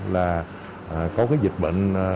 là có cái dịch bệnh